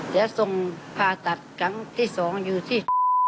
แล้วส่งผ่าตัดทั้งที่๒อยู่ที่